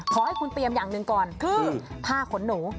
ขอให้คุณเตรียมอย่างหนึ่งก่อนคือผ้าขนหนู